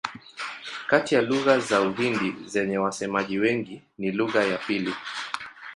Kati ya lugha za Uhindi zenye wasemaji wengi ni lugha ya pili.